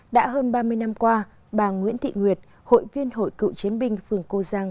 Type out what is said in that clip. đã hơn ba mươi năm qua bà nguyễn thị nguyệt hội viên hội cựu chiến binh phường cô giang